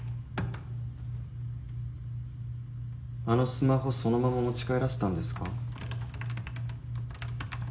あのスマホそのまま持ち帰らせたんですか？